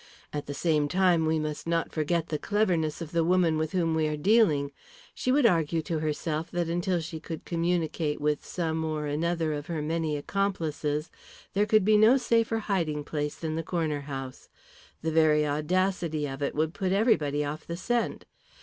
At the same time we must not forget the cleverness of the woman with whom we are dealing. She would argue to herself that until she could communicate with some or another of her many accomplices there could be no safer hiding place than the Corner House. The very audacity of it would put everybody off the scent.